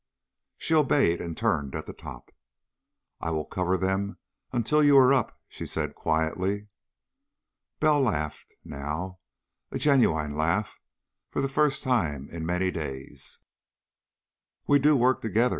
She obeyed, and turned at the top. "I will cover them until you are up," she said quietly. Bell laughed, now. A genuine laugh, for the first time in many days. "We do work together!"